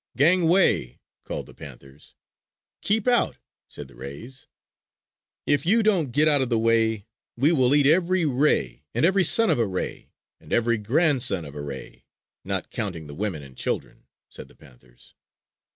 "Gangway!" called the panthers. "Keep out!" said the rays. "If you don't get out of the way, we will eat every ray, and every son of a ray, and every grandson of a ray, not counting the women and children!" said the panthers.